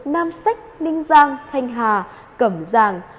nam sách ninh giang thanh hà cẩm giang